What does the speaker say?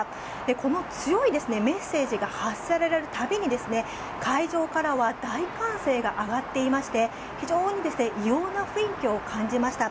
この強いメッセージが発せられる度に会場からは大歓声が上がっていまして非常に異様な雰囲気を感じました。